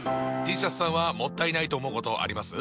Ｔシャツさんはもったいないと思うことあります？